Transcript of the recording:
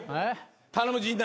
頼む陣内。